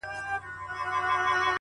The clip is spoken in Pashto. o خدای په ژړا دی؛ خدای پرېشان دی؛